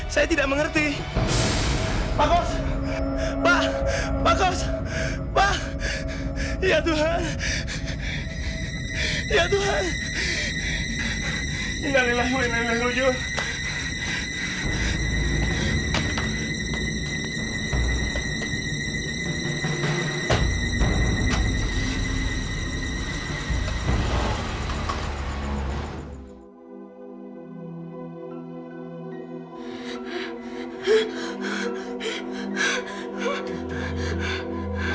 sampai jumpa di video selanjutnya